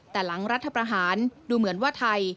แต่หลังรัฐประหารดูเหมือนว่าไทย